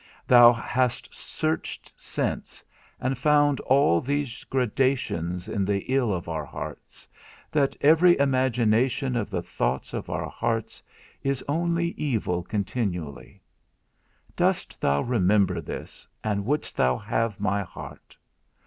Thou hast searched since, and found all these gradations in the ill of our hearts, that every imagination of the thoughts of our hearts is only evil continually. Dost thou remember this, and wouldst thou have my heart?